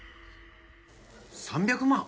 ３００万？